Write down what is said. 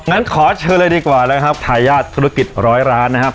งั้นขอเชิญเลยดีกว่านะครับทายาทธุรกิจร้อยร้านนะครับ